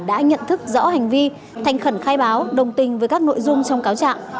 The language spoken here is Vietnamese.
đã nhận thức rõ hành vi thành khẩn khai báo đồng tình với các nội dung trong cáo trạng